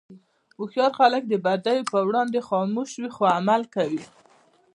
هوښیار خلک د بدیو پر وړاندې خاموش وي، خو عمل کوي.